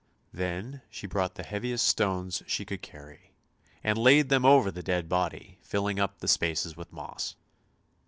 Then she brought the heaviest stones she could carry, and laid them over the dead body, filling up the spaces with moss.